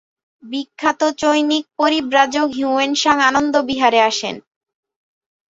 বিখ্যাত চৈনিক পরিব্রাজক Hiuen Tsang আনন্দ বিহারে আসেন।